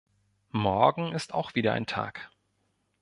Morgen ist auch wieder ein Tag.